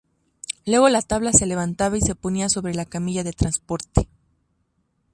Luego la tabla se levantaba y se ponía sobre la camilla de transporte.